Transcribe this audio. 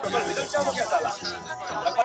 پاڼه یم د باد په تاو رژېږم ته به نه ژاړې.